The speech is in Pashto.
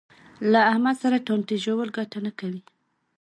له احمد سره ټانټې ژول ګټه نه کوي.